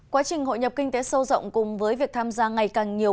quá trình hội nhập kinh tế sâu rộng cùng với việc tham gia ngày càng nhiều